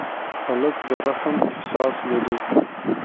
هلک د رحم احساس لري.